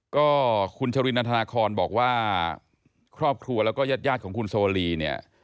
ก็คุณชรินนาธนาคอนบอกว่าครอบครัวแล้วก็ญาติของคุณโซลีเนี่ย